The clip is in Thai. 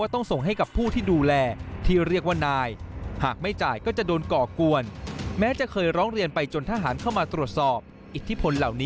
อันนี้คือปัญหาที่ตามมา